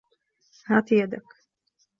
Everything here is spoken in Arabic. هاتِ يدكِ.